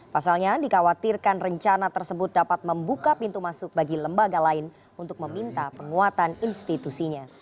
pasalnya dikhawatirkan rencana tersebut dapat membuka pintu masuk bagi lembaga lain untuk meminta penguatan institusinya